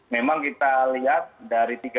memang kita lihat dari tiga